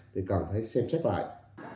thì còn phải xem xét lại